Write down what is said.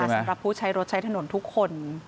สำหรับผู้ใช้รถใช้ถนนทุกคน